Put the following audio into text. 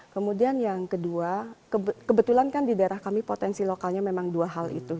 kemudian yang kedua kebetulan kan di daerah kami potensi lokalnya memang dua hal itu